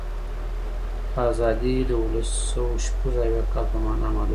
آزادي د اوولسسوهشپږاویا کال په معنا محدوده وه.